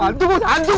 hantu bos hantu bos